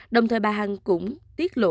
đồng thời bà hằng cũng tiết lộ